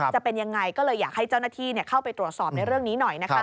จะเป็นยังไงก็เลยอยากให้เจ้าหน้าที่เข้าไปตรวจสอบในเรื่องนี้หน่อยนะคะ